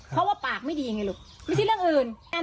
เพราะว่าปากไม่ดีไงลูกไม่ใช่เรื่องอื่น